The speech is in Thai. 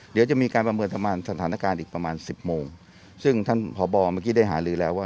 เดี๋ยวจะมีการประเมินประมาณสถานการณ์อีกประมาณสิบโมงซึ่งท่านพบเมื่อกี้ได้หาลือแล้วว่า